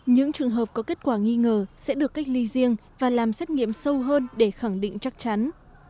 những trường hợp có kết quả nghi ngờ sẽ được cách ly riêng và làm xét nghiệm sâu hơn để khẳng định chắc chắn